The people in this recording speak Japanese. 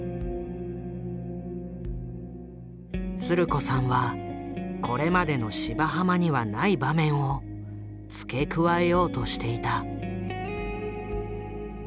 つる子さんはこれまでの「芝浜」にはない場面を付け加えようとしていた。